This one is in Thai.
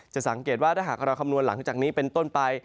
สังเกตว่าถ้าหากเราคำนวณหลังจากนี้เป็นต้นไป